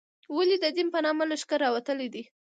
ولې د دین په نامه لښکرې راوتلې دي.